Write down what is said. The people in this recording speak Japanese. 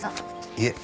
いえ。